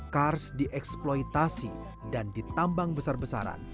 kars dieksploitasi dan ditambang besar besaran